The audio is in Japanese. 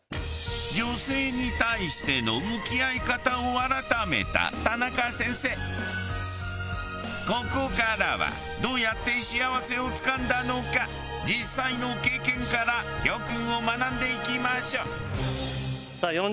女性に対してのここからはどうやって幸せをつかんだのか実際の経験から教訓を学んでいきましょう。